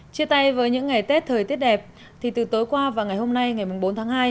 chia tay với những ngày tết thời tiết đẹp thì từ tối qua và ngày hôm nay ngày bốn tháng hai